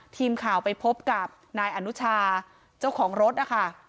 ทีมข่าวไปพบกับนายอนุชาเจ้าของรถนะคะ